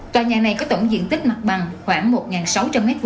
tòa nhà này có tổng diện tích mặt bằng khoảng một sáu trăm linh m hai